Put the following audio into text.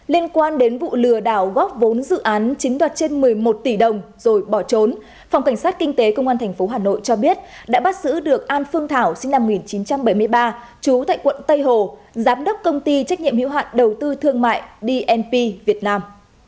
liên quan đến vụ lừa đảo góp vốn dự án chiếm đoạt trên một mươi một tỷ đồng rồi bỏ trốn phòng cảnh sát kinh tế công an tp hà nội cho biết đã bắt giữ được an phương thảo sinh năm một nghìn chín trăm bảy mươi ba trú tại quận tây hồ giám đốc công ty trách nhiệm hiệu hạn đầu tư thương mại dnp việt nam